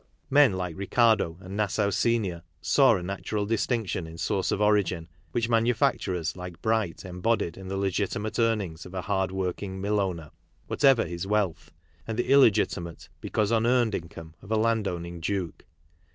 Men like Ricardo and Nassau Senior saw a natural distinc tion in source of origin which manufacturers like Bright embodied in the legitimate earnings of a hardworking mill owner, whatever his wealth, and the illegitimate because unearned income of a land owning duke.